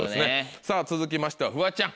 さぁ続きましてはフワちゃん。